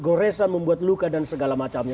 goresan membuat luka dan segala macamnya